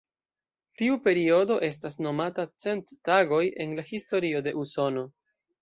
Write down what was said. Tiu periodo estas nomata „cent tagoj” en la historio de Usono.